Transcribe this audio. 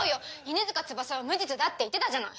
犬塚翼は無実だって言ってたじゃない。